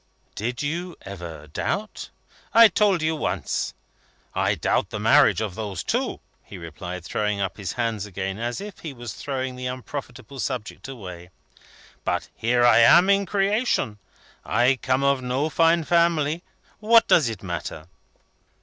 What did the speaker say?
"Did you ever doubt " "I told you once, I doubt the marriage of those two," he replied, throwing up his hands again, as if he were throwing the unprofitable subject away. "But here I am in Creation. I come of no fine family. What does it matter?"